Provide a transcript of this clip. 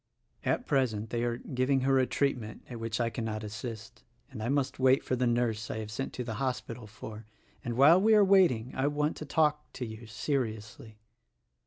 At present they are giving her a treatment at which I cannot assist, and I must wait for the nurse I have sent to the hospital for; and while we are waiting I want to talk to you, seriously.